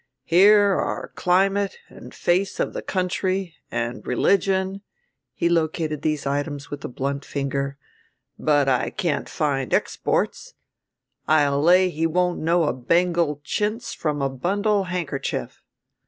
"Here are Climate and Face of the country and Religion," he located these items with a blunt finger, "but I can't find exports. I'll lay he won't know a Bengal chintz from a bundle handkerchief."